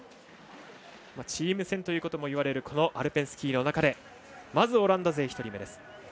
チーム戦ということも言われるアルペンスキーの中でまずオランダ勢、１人目です。